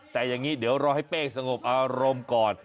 แต่อย่างนี้เดี๋ยวรอให้เป้สงบอารมณ์ก่อน